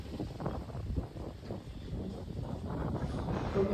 Ze scénářů vybraných epizod seriálu byly pořízeny stejnojmenné románové přepisy.